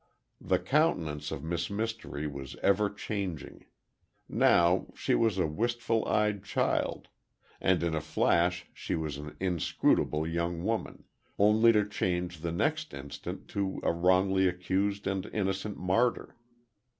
The countenance of Miss Mystery was ever changing. Now, she was a wistful eyed child, and in a flash she was an inscrutable young woman—only to change the next instant to a wrongly accused and innocent martyr.